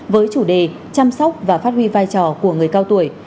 với chủ đề chăm sóc và phát huy vai trò của người cao tuổi